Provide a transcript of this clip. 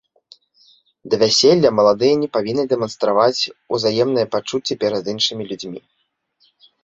Да вяселля маладыя не павінны дэманстраваць узаемныя пачуцці перад іншымі людзьмі.